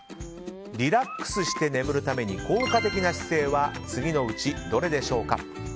リラックスして眠るために効果的な姿勢は次のうちどれでしょうか？